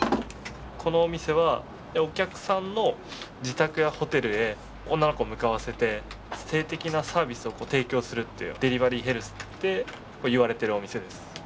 このお店はお客さんの自宅やホテルへ女の子を向かわせて性的なサービスを提供するっていうデリバリーヘルスって言われてるお店です。